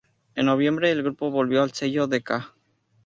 En noviembre el grupo volvió al sello Decca.